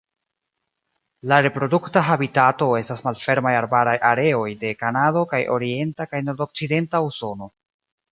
La reprodukta habitato estas malfermaj arbaraj areoj de Kanado kaj orienta kaj nordokcidenta Usono.